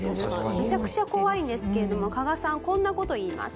めちゃくちゃ怖いんですけれども加賀さんこんな事言います。